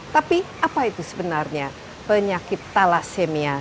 tapi apa itu sebenarnya penyakit thalassemia